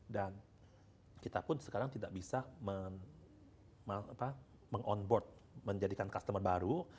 dan kita pun sekarang tidak bisa meng onboard menjadikan customer baru